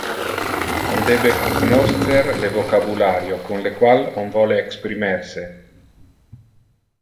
On debe cognoscer le vocabulario con le qual on vole exprimer se.